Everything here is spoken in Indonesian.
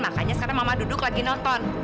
makanya sekarang mama duduk lagi nonton